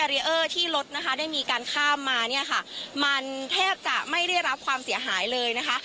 ที่รถนะคะได้มีการข้ามมาเนี่ยค่ะมันแทบจะไม่ได้รับความเสียหายเลยนะคะ